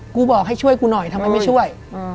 บอกให้ช่วยกูหน่อยทำไมไม่ช่วย